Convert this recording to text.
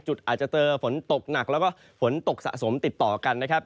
อาจจะเจอฝนตกหนักแล้วก็ฝนตกสะสมติดต่อกันนะครับ